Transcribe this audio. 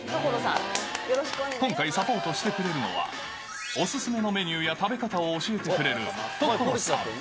今回、サポートしてくれるのは、お勧めのメニューや食べ方を教えてくれる、所さん。